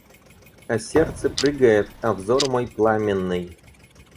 А сердце прыгает, а взор мой пламенный.